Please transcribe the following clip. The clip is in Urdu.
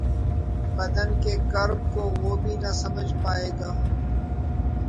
بدن کے کرب کو وہ بھی سمجھ نہ پائے گا